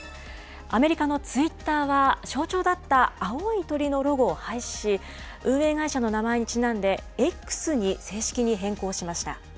アメリカのツイッターは、象徴だった青い鳥のロゴを廃止し、運営会社の名前にちなんで、Ｘに正式に変更しました。